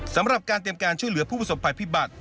สำหรับการเตรียมการช่วยเหลือผู้ประสบภัยพิบัติ